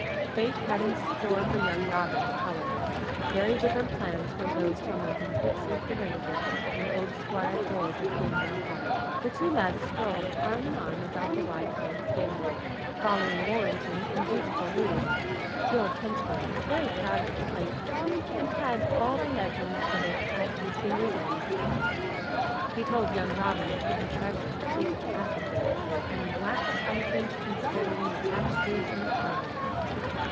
Fate had in store for young Robin, however, very different plans from those tormenting Fitzooth the Ranger and old Squire George of Gamewell Hall. The two lads strolled arm in arm about the wide court of Gamewell, following Warrenton, in dutiful mood. The old henchman was very proud of the place, and had all the legends of it at his fingers' ends. He told young Robin of hidden treasure and secret passage ways, and waxed eloquent concerning the tapestries and carvings.